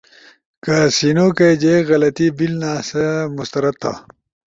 کہ سینو کئی جے غلطی بیلنا سی مسترد تھا۔